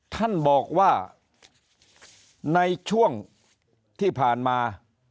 ท่านบอกว่าในช่วงที่ผ่านมา